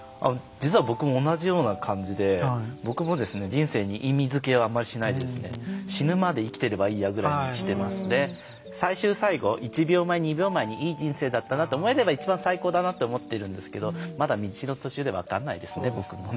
実は僕も同じような感じで僕も人生に意味づけはあんまりしないで死ぬまで生きてればいいやくらいに思っていて最終、最後、１秒前、２秒前にいい人生だったなと思えれば一番最高だなって思ってるんですけどまだ道の途中で分からないですね。